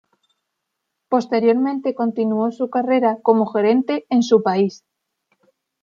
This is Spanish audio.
Posteriormente continuó su carrera como gerente en su país.